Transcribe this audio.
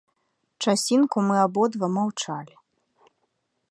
Часінку мы абодва маўчалі.